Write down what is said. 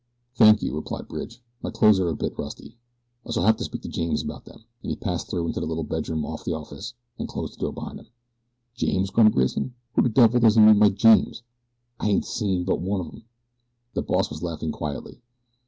"Thank you," replied Bridge. "My clothes are a bit rusty. I shall have to speak to James about them," and he passed through into the little bedroom off the office, and closed the door behind him. "James?" grunted Grayson. "Who the devil does he mean by James? I hain't seen but one of 'em." The boss was laughing quietly.